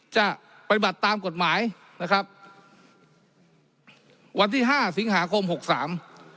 จะปฏิบัติตามกฎหมายนะครับวันที่ห้าสิงหาคมหกสาม